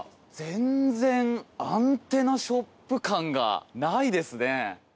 ただ、全然アンテナショップ感がないですね。